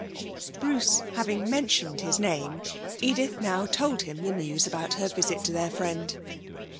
Bruce having mentioned his name, Edith now told him the news about her visit to their friend.